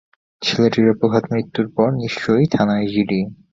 ছেলেটির অপঘাত মৃত্যুর পর নিশ্চয়ই থানায় জিডি।